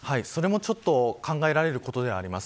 それも考えられることではあります。